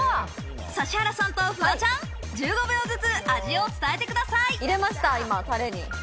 指原さんとフワちゃん、１５秒ずつ味を伝えてください。